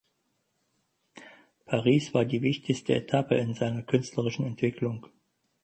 Paris war die wichtigste Etappe in seiner künstlerischen Entwicklung.